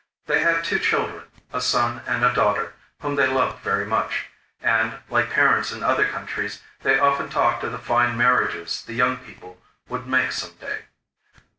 They had two children, a son and a daughter, whom they loved very much, and, like parents in other countries, they often talked of the fine marriages the young people would make some day.